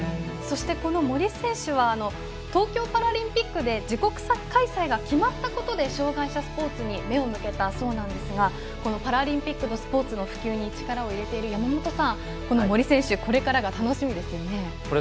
そして森選手は東京パラリンピックで自国開催が決まったことで障がい者スポーツに目を向けたそうなんですがパラリンピックのスポーツの普及に力を入れている山本さん森選手のこれからが楽しみですね。